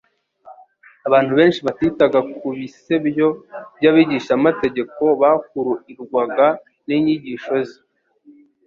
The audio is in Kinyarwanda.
Abantu benshi batitaga ku bisebyo by'abigishamategeko bakuruirwaga n'inyigisho ze.